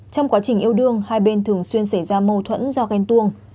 trong quá trình yêu đương hai bên thường xuyên xảy ra mâu thuẫn do ghen tuông